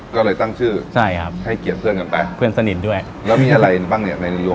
ก็เลยตั้งชื่อใช่ครับให้เกียรติเพื่อนกันไปเพื่อนสนิทด้วยแล้วมีอะไรบ้างเนี่ยในยุค